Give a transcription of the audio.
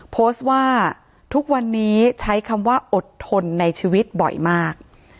โพสต์ว่าทุกวันนี้ใช้คำว่าอดทนในชีวิตบ่อยมาก